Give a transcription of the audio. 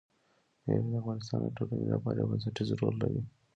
مېوې د افغانستان د ټولنې لپاره یو بنسټيز رول لري.